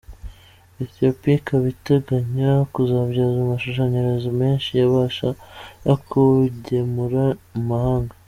Ethiopia ikaba iteganya kuzabyaza amashanyarazi menshi yabasha no kugemura mu mahanga.